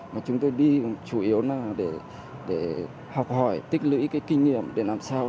mà chúng tôi đi chủ yếu là để học hỏi tích lưỡi cái kinh nghiệm để làm sao